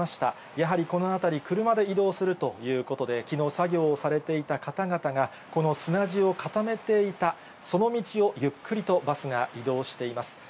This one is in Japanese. やはりこの辺り、車で移動するということで、きのう作業されていた方々が、この砂地を固めていた、その道をゆっくりとバスが移動しています。